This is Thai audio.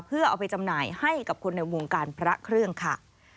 เพื่อเอาไปจำหน่ายให้กับคนในวงการพระเครื่องค่ะ